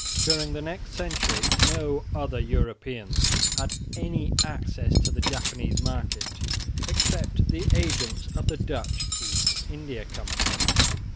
During the next century no other Europeans had any access to the Japanese market except the agents of the Dutch East India Company.